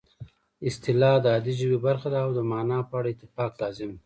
اصطلاح د عادي ژبې برخه ده او د مانا په اړه اتفاق لازم دی